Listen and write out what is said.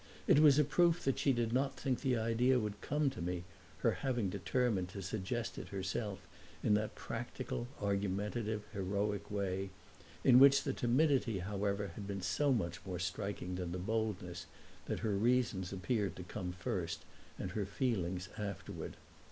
It was a proof that she did not think the idea would come to me, her having determined to suggest it herself in that practical, argumentative, heroic way, in which the timidity however had been so much more striking than the boldness that her reasons appeared to come first and her feelings afterward.